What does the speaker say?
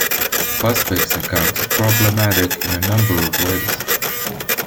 Busbecq's account is problematic in a number of ways.